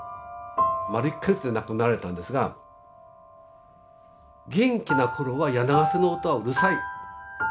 丸１か月で亡くなられたんですが「元気な頃は柳ケ瀬の音はうるさい。